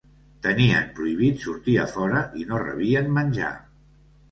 Tenien prohibit sortir a fora i no rebien menjar.